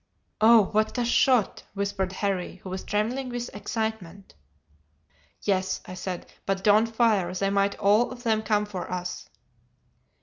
"'Oh, what a shot!' whispered Harry, who was trembling with excitement. "'Yes,' I said; 'but don't fire; they might all of them come for us.